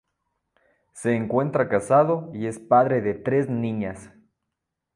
Se encuentra casado y es padre de tres niñas.